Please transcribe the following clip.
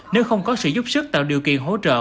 nếu không có sự giúp sức tạo điều kiện hỗ trợ